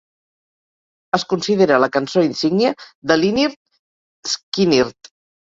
Es considera la cançó insígnia de Lynyrd Skynyrd.